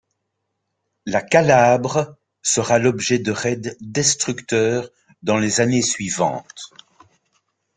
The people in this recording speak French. La Calabre sera l'objet de raids destructeurs dans les années suivantes.